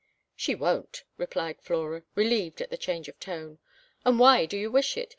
"She won't," cried Flora, relieved at the change of tone. "And why do you wish it?